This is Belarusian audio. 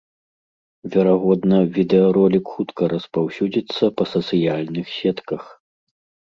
Верагодна, відэаролік хутка распаўсюдзіцца па сацыяльных сетках.